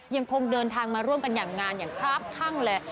ยังคงเดินทางมาร่วมกับงานอย่างคร่าบคร่ั่งเลย